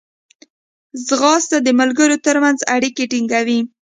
ځغاسته د ملګرو ترمنځ اړیکې ټینګوي